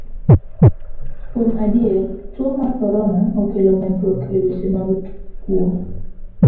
Kuom adier, tuo mar korona okelo medruok e weche mag kuo.